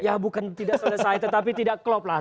ya bukan tidak selesai tetapi tidak klop lah